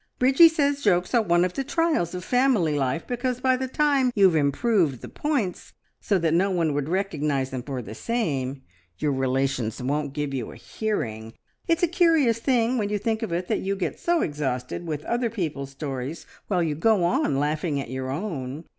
Bridgie says jokes are one of the trials of family life, because by the time you've improved the points so that no one would recognise them for the same, your relations won't give you a hearing. It's a curious thing, when you think of it, that you get so exhausted with other people's stories, while you go on laughing at your own.